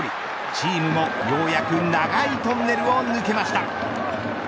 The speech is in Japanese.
チームも、ようやく長いトンネルを抜けました。